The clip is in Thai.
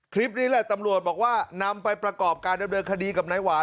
คลิปนี้แหละตำรวจบอกว่านำไปประกอบการดำเนินคดีกับนายหวาน